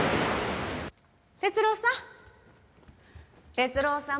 哲郎さん！